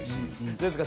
どうですか？